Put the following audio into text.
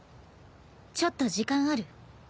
ちょっと時間ある？